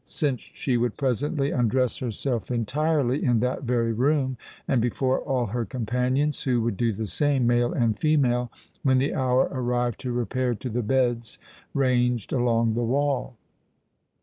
—since she would presently undress herself entirely in that very room—and before all her companions, who would do the same—male and female—when the hour arrived to repair to the beds ranged along the wall.